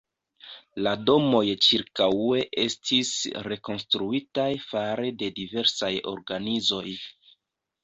La domoj ĉirkaŭe estis rekonstruitaj fare de diversaj organizoj.